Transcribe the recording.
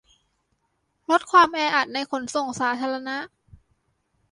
ลดความแออัดในขนส่งสาธารณะ